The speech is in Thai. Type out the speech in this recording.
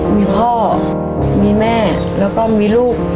มีพ่อมีแม่แล้วก็มีลูก